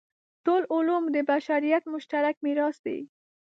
ټول علوم د بشریت مشترک میراث دی.